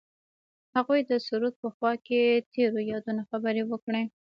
هغوی د سرود په خوا کې تیرو یادونو خبرې کړې.